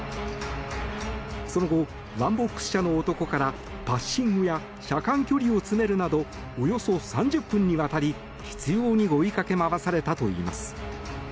その後、ワンボックス車の男からパッシングや車間距離を詰めるなどおよそ３０分にわたり、執拗に追いかけ回されたといいます。